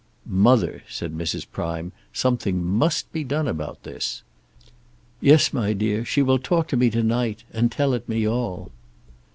"Mother," said Mrs. Prime, "something must be done about this." "Yes, my dear; she will talk to me to night, and tell it me all."